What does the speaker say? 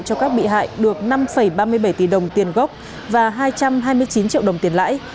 cho các bị hại được năm ba mươi bảy tỷ đồng tiền gốc và hai trăm hai mươi chín triệu đồng tiền lãi